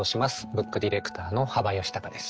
ブックディレクターの幅允孝です。